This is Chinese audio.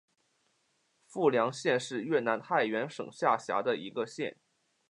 富良县是越南太原省下辖的一个县。